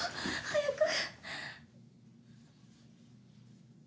早く。